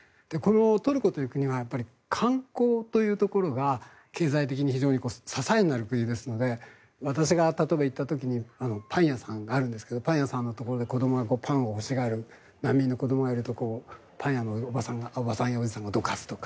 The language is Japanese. トルコという国は観光というところが経済的に支えになる国ですので例えば、私が行った時にパン屋さんがあるんですがパン屋さんで子どもがパンを欲しがる難民の子どもがいるとパン屋のおじさんやおばさんが子どもをどかすとか。